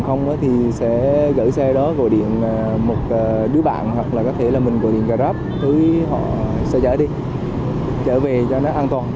chúng tôi sẽ gửi xe đó gọi điện một đứa bạn hoặc là có thể là mình gọi điện gà rắp thứ họ sẽ chở đi chở về cho nó an toàn